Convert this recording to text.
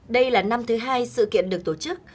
đây là năm thứ hai sự kiện được tổ chức